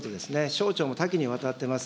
省庁も多岐にわたってます。